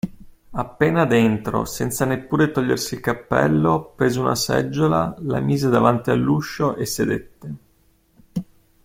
Appena dentro, senza neppure togliersi il cappello, prese una seggiola, la mise davanti all'uscio e sedette.